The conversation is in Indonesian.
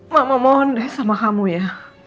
mama mohon deh sama kamu ya